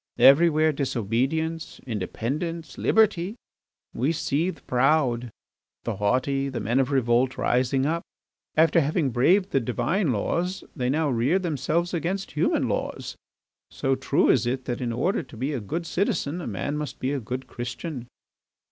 Everywhere disobedience, independence, liberty! We see the proud, the haughty, the men of revolt rising up. After having braved the Divine laws they now rear themselves against human laws, so true is it that in order to be a good citizen a man must be a good Christian.